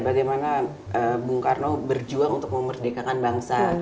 bagaimana bung karno berjuang untuk memerdekakan bangsa